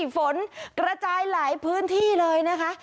ฝนกระจายหลายพื้นที่เลยนะคะ